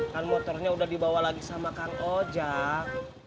kan motornya udah dibawa lagi sama kang ojang